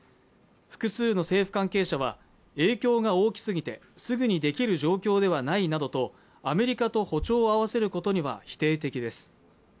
複数の政府関係者は影響が大きすぎてすぐにできる状況ではないなどとアメリカと歩調を合わせることには否定的です